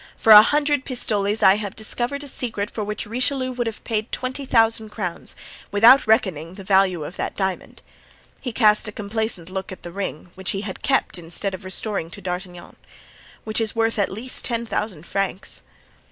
for a hundred pistoles I have discovered a secret for which Richelieu would have paid twenty thousand crowns; without reckoning the value of that diamond"—he cast a complacent look at the ring, which he had kept, instead of restoring to D'Artagnan—"which is worth, at least, ten thousand francs."